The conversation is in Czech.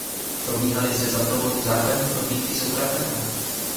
Probíhaly zde za provozu základní prohlídky souprav metra.